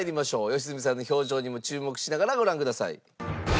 良純さんの表情にも注目しながらご覧ください。